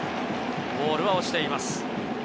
ボールは落ちています。